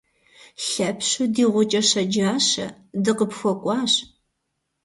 Лъэпщу ди гъукӏэ щэджащэ, дыкъыпхуэкӏуащ.